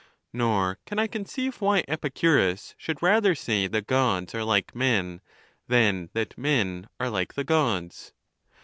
Nor can I conceive why Epicurus should rather say the Gods are like men than that men are like the Gods.